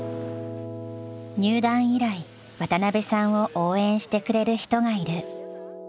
入団以来渡邉さんを応援してくれる人がいる。